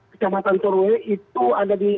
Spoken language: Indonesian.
kecamatan toroe itu ada di